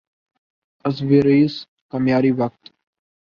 Azores کا معیاری وقت